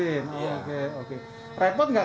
seolah olah saya markers aja ya